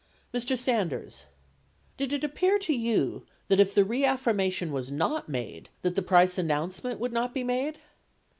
Mr. Sanders. Did it appear to you that if the reaffirmation was not made, that the price announcement would not be made?